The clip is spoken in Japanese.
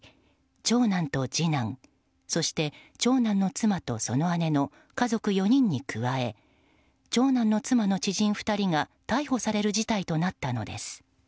長男と次男、そして長男の妻とその姉の家族４人に加え長男の妻の知人２人が逮捕される事態となったのです。